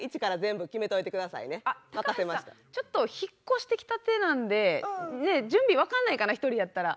ちょっと引っ越してきたてなんでねえ準備分かんないかな一人やったら。